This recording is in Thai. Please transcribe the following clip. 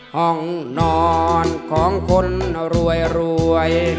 ห้องนอนของคนรวย